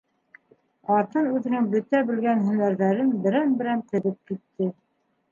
Ҡатын үҙенең бөтә белгән һөнәрҙәрен берәм-берәм теҙеп китте.